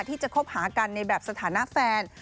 ที่จะคบหากันในแบบสถานะแฟน